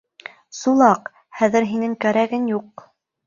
— Сулаҡ, хәҙер һинең кәрәгең юҡ.